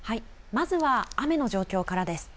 まずは雨の状況からです。